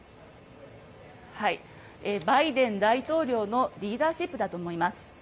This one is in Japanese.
バイデン大統領のリーダーシップだと思います。